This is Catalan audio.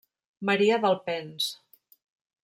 Maria d'Alpens.